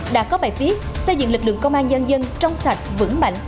đã có bài viết xây dựng lực lượng công an nhân dân trong sạch vững mạnh